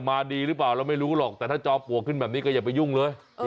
มาดีหรือเปล่าเราไม่รู้หรอกแต่ถ้าจอมปลวกขึ้นแบบนี้ก็อย่าไปยุ่งเลย